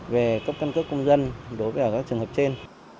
về cấp căn cước công dân đối với các trường hợp trên